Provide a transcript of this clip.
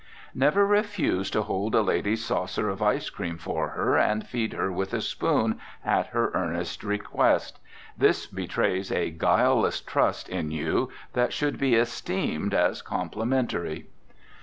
Never refuse to hold a lady's saucer of ice cream for her, and feed her with a spoon, at her earnest request. This betrays a guileless trust in you that should be esteemed as complimentary.